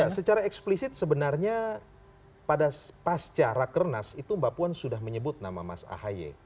ya secara eksplisit sebenarnya pada pasca rakernas itu mbak puan sudah menyebut nama mas ahy